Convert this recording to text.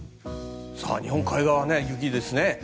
日本海側は雪ですね。